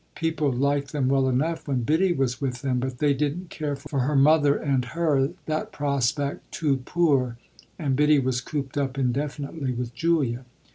People liked them well enough when Biddy was with them, but they didn't care for her mother and her, that prospect tout pur, and Biddy was cooped up indefinitely with Julia.